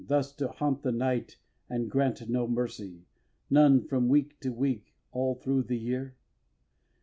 thus to haunt the night And grant no mercy, none from week to week All through the year?